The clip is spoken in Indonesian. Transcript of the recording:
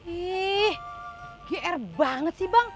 ih gr banget sih bang